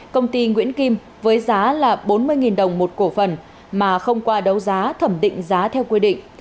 công ty nguyễn kim với giá là bốn mươi đồng một cổ phần mà không qua đấu giá thẩm định giá theo quy định